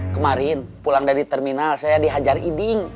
kemarin pulang dari terminal saya dihajar iding